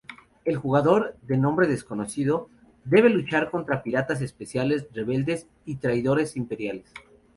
El jugador —de nombre desconocido— debe luchar contra piratas espaciales, rebeldes y traidores imperiales.